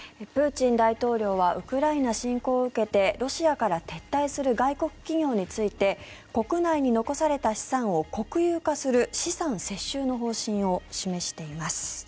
プーチン大統領はウクライナ侵攻を受けてロシアから撤退する外国企業について国内に残された資産を国有化する資産接収の方針を示しています。